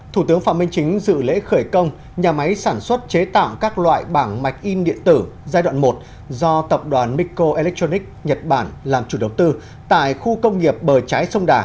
thủ tướng phạm minh chính dự lễ khởi công nhà máy sản xuất chế tạo các loại bảng mạch in điện tử giai đoạn một do tập đoàn mikko electronics nhật bản làm chủ đầu tư tại khu công nghiệp bờ trái sông đà